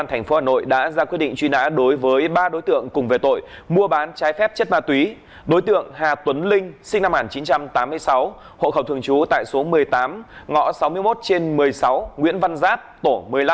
hộ khẩu thường chú tại số một mươi tám ngõ sáu mươi một trên một mươi sáu nguyễn văn giáp tổ một mươi năm